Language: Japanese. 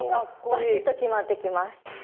バシッと極まってきます。